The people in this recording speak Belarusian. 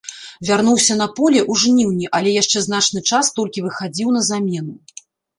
Вярнуўся на поле ў жніўні, але яшчэ значны час толькі выхадзіў на замену.